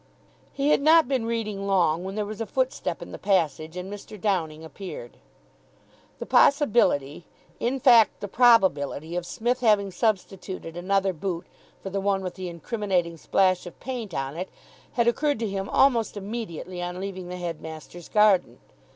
He had not been reading long when there was a footstep in the passage, and Mr. Downing appeared. The possibility, in fact the probability, of Psmith having substituted another boot for the one with the incriminating splash of paint on it had occurred to him almost immediately on leaving the headmaster's garden.